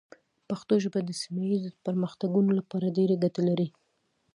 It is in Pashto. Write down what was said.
پښتو ژبه د سیمه ایزو پرمختګونو لپاره ډېرې ګټې لري.